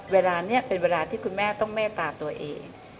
เวลานี้เป็นเวลาที่คุณแม่ต้องเมตตาตัวเอง